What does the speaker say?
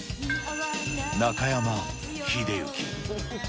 中山秀征。